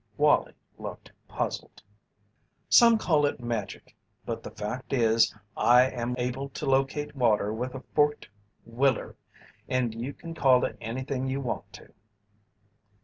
Wallie looked puzzled. "Some call it magic, but the fact is, I am able to locate water with a forked willer and you can call it anything you want to."